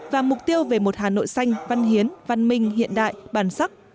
và mục tiêu về một hà nội xanh văn hiến văn minh hiện đại bản sắc